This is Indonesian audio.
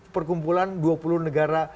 perkumpulan dua puluh negara